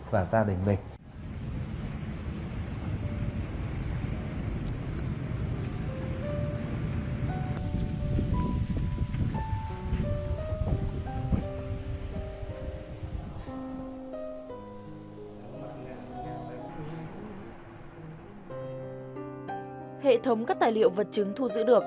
và gia đình mình